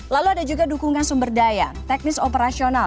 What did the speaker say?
lalu ada juga dukungan sumber daya teknis operasional